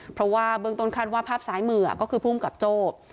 เพราะว่าเบื้องต้นคาดว่าภาพซ้ายมือก็คือภูมิกับโจ้